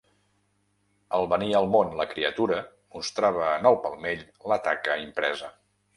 Al venir al món la criatura mostrava en el palmell la taca impresa.